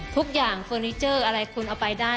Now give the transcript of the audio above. ทุกอย่างคอนนิเจอร์อะไรคุณเอาไปได้